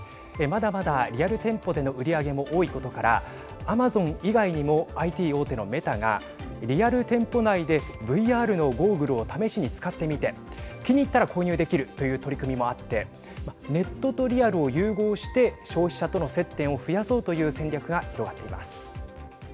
まだまだリアル店舗での売り上げも多いことからアマゾン以外にもＩＴ大手のメタがリアル店舗内でＶＲのゴーグルを試しに使ってみて気に入ったら購入できるという取り組みもあってネットとリアルを融合して消費者との接点を増やそうという戦略が広がっています。